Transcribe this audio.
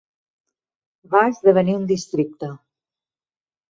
Va esdevenir un districte.